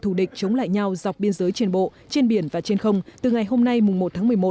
thù địch chống lại nhau dọc biên giới trên bộ trên biển và trên không từ ngày hôm nay mùng một tháng